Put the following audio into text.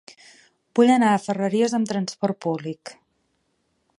Vull anar a Ferreries amb transport públic.